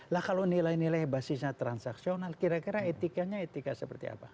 lah kalau nilai nilai basisnya transaksional kira kira etikanya etika seperti apa